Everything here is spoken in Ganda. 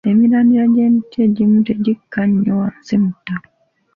Emirandira gy'emiti egimu tegikka nnyo wansi mu ttaka.